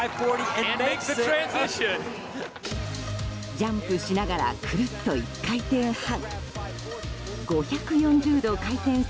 ジャンプしながらくるっと１回転半。